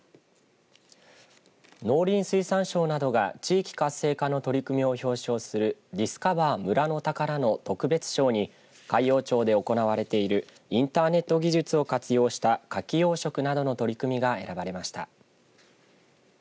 農林水産省などが地域活性化の取り組みを表彰するディスカバー農山漁村の宝の特別賞に海陽町で行われているインターネット技術を活用したかき養殖などの取り組みが選ばれました。